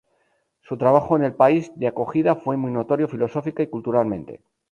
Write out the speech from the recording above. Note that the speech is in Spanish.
Su trabajo en el país de acogida fue muy notorio filosófica y culturalmente.